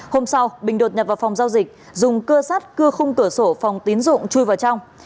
hôm sau bình đột nhập vào phòng giao dịch dùng cưa sắt cưa khung cửa sổ phòng tín dụng chui vào trong